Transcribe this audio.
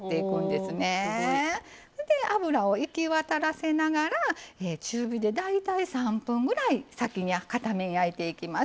おすごい。で油を行き渡らせながら中火で大体３分ぐらい先に片面焼いていきます。